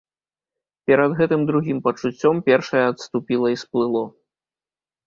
Перад гэтым другім пачуццём першае адступіла і сплыло.